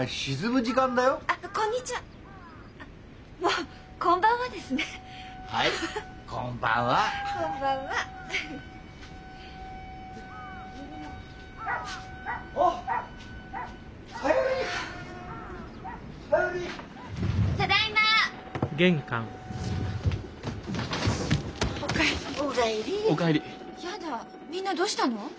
みんなどうしたの？